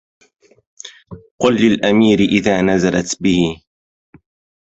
قل للأمير إذا نزلت به